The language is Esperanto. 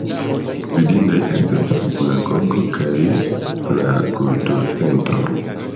Vidindaj estas la Sinagogo kaj la Kulturcentro.